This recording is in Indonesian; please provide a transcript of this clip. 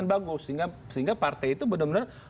bagus sehingga partai itu benar benar